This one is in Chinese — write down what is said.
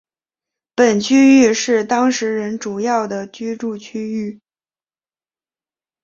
本区域是当时人主要的居住区域。